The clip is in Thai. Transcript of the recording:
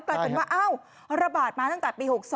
กลายเป็นว่าระบาดมาตั้งแต่ปี๖๒